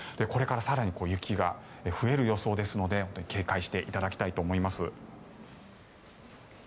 これから更に雪が増える予想ですので警戒していただきたいと思います。